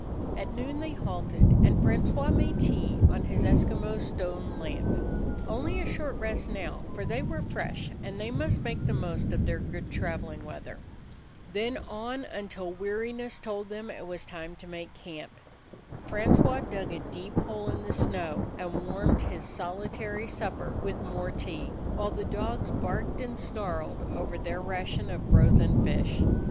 At noon they halted, and Francois made tea on his Eskimo stone lamp. Only a short rest now, for they were fresh, and they must make the most of their good traveling weather. Then on, until weariness told them it was time to make camp. Francois dug a deep hole in the snow, and warmed his solitary supper with more tea, while the dogs barked and snarled over their ration of frozen fish.